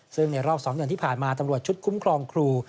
ซึ่งในรอบ๒เดือนที่ผ่านมาตำรวจชุดคุ้มครองครู